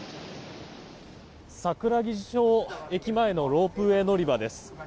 桜木町駅前のロープウェー乗り場です。